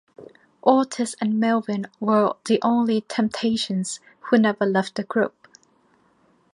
Otis and Melvin were the only Temptations who never left the group.